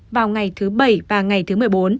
vào ngày thứ bảy và ngày thứ một mươi bốn